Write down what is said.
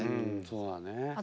そうだね。